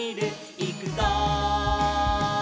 「いくぞー！」